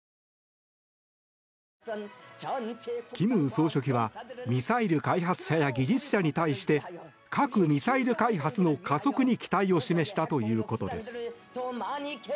金総書記はミサイル開発者や技術者に対して核・ミサイル開発の加速に期待を示したということです。